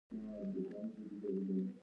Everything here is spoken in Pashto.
د چارمغز پوستکي د بخارۍ لپاره ښه دي؟